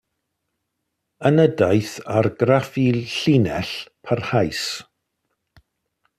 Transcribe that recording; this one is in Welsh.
Yna daeth argraffu llinell, parhaus.